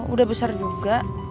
udah besar juga